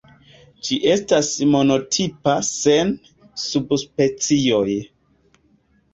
Ĝi estas monotipa, sen subspecioj.